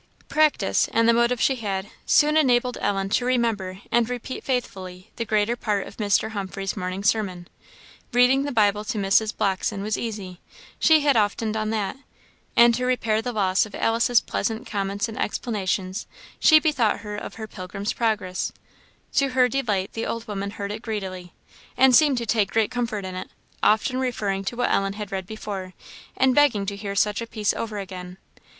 Practice, and the motive she had, soon enabled Ellen to remember and repeat faithfully the greater part of Mr. Humphreys' morning sermon. Reading the Bible to Mrs. Blockson was easy she had often done that; and to repair the loss of Alice's pleasant comments and explanations, she bethought her of her Pilgrim's Progress. To her delight the old woman heard it greedily, and seemed to take great comfort in it; often referring to what Ellen had read before, and begging to hear such a piece over again.